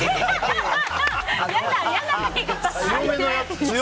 嫌な吹き方！